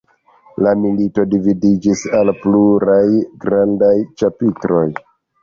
La milito dividiĝis al pluraj grandaj ĉapitroj.